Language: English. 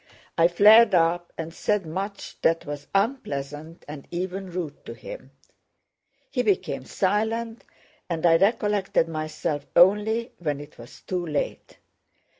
I flared up and said much that was unpleasant and even rude to him. He became silent, and I recollected myself only when it was too late.